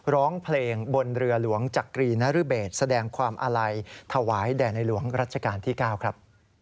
ร้องเพลงบนเรือหลวงจักรีนรเบศแสดงความอาลัยถวายแด่ในหลวงรัชกาลที่๙ครับ